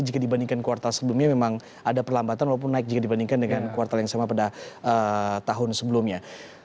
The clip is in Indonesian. jika dibandingkan kuartal sebelumnya memang ada perlambatan walaupun naik jika dibandingkan dengan kuartal yang sama pada tahun sebelumnya